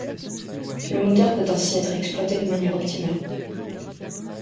Le moteur peut ainsi être exploité de manière optimale.